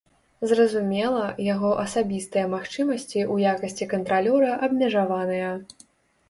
Зразумела, яго асабістыя магчымасці ў якасці кантралёра абмежаваныя.